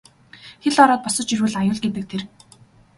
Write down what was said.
Хэл ороод босож ирвэл аюул гэдэг тэр.